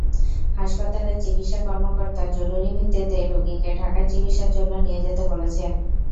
হাসপাতালের চিকিৎসা কর্মকর্তা জরুরি ভিত্তিতে রোগীকে ঢাকায় চিকিৎসার জন্য নিয়ে যেতে বলেছেন।